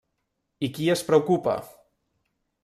I qui es preocupa?